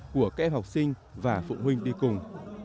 của các em học sinh và phụ huynh đi cùng